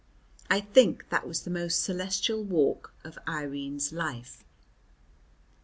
I think that was the most celestial walk of Irene's life.